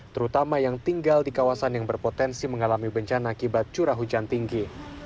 terutama yang tinggal di kawasan yang berpotensi mengalami bencana akibat curah hujan tinggi